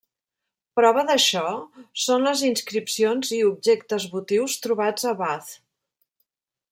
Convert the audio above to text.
Prova d'això són les inscripcions i objectes votius trobats a Bath.